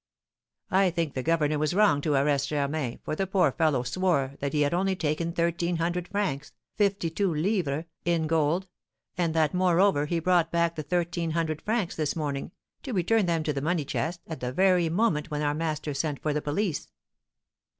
"I think the governor was wrong to arrest Germain, for the poor fellow swore that he had only taken thirteen hundred francs (52_l._) in gold, and that, moreover, he brought back the thirteen hundred francs this morning, to return them to the money chest, at the very moment when our master sent for the police."